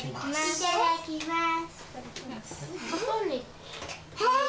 いただきます。